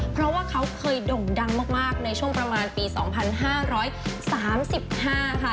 เพราะว่าเขาเคยด่งดังมากในช่วงประมาณปี๒๕๓๕ค่ะ